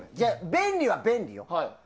便利は便利よ。